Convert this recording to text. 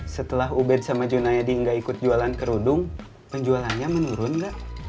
setelah ubed sama junayadi nggak ikut jualan kerudung penjualannya menurun nggak